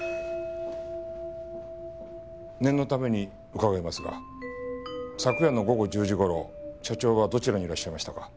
念のために伺いますが昨夜の午後１０時頃社長はどちらにいらっしゃいましたか？